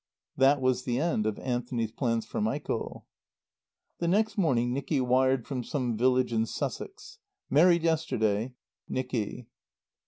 That was the end of Anthony's plans for Michael. The next morning Nicky wired from some village in Sussex: "Married yesterday. NICKY."